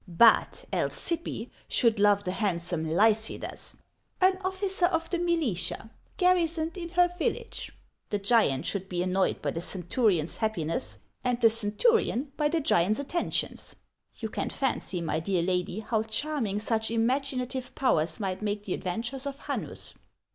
But Alcyppe should love the handsome Lycidas, an officer of the militia, garrisoned in her village. The giant should be annoyed by the centu rion's happiness, and the centurion by the giaut's atten tions. You can fancy, dear lady, how charming such imaginative powers might make the adventures of Haunus.